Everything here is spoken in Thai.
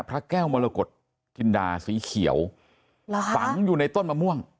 พระแก้วมรกฏจินดาสีเขียวฝังอยู่ในต้นมะม่วง